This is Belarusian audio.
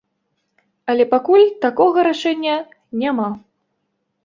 Але пакуль такога рашэння няма.